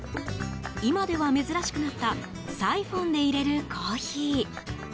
今では珍しくなったサイフォンで入れるコーヒー。